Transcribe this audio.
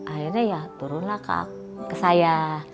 akhirnya ya turunlah kak ke saya